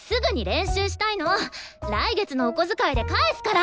来月のお小遣いで返すから！